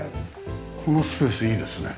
このスペースいいですね